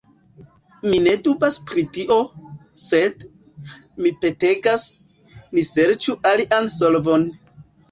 Mi ne dubas pri tio, sed, mi petegas, ni serĉu alian solvon.